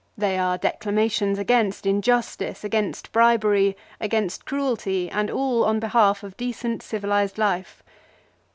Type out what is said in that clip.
They are declamations against injustice, against bribery, against cruelty, and all on behalf of decent civilised life.